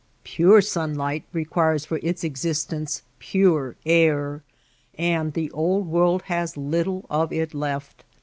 Pure sunlight requires for its existence pure air, and the Old World has little of it left.